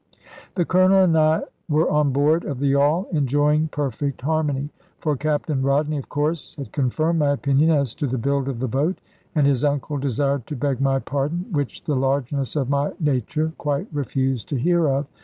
The Colonel and I were on board of the yawl, enjoying perfect harmony. For Captain Rodney of course had confirmed my opinion as to the build of the boat, and his uncle desired to beg my pardon, which the largeness of my nature quite refused to hear of.